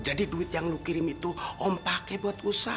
jadi duit yang lo kirim itu om pakai buat uangnya